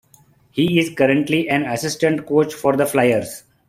He is currently an assistant coach for the Flyers.